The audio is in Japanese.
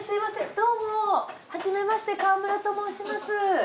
どうもはじめまして川村と申します。